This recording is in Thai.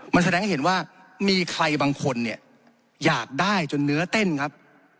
มันแสดงให้เห็นว่ามีใครบางคนเนี่ยอยากได้จนเนื้อเต้นครับ